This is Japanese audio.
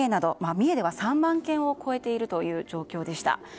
三重では３万軒を超えているという状況でした。